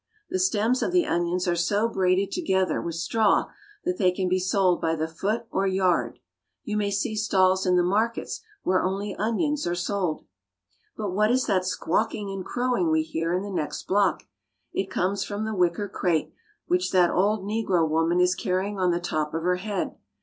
The stems of the onions are so braided together with straw that they can be sold by the foot or yard. You may see stalls in the markets where only onions are sold. But what is that squawking and crowing we hear in the next block ? It comes from the wicker crate which that old negro woman is carrying on the top of her head.